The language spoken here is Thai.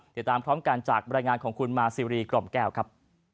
เดี๋ยวตามพร้อมกันจากบรรยายงานของคุณมาร์ซีวีรีกรมแก้วครับ